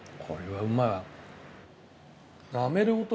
これはうまい。